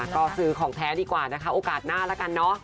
ก็ซื้อของแท้ดีกว่านะคะโอกาสหน้าแล้วกันเนอะ